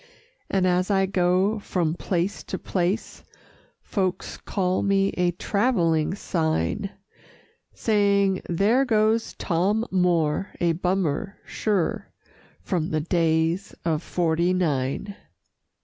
And as I go from place to place, Folks call me a "Travelling Sign," Saying "There goes Tom Moore, a Bummer, sure, From the Days of 'Forty Nine."